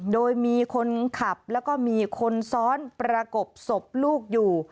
โดยมีคนขับแล้วก็มีคนซ้อนประกบศพลูกอยู่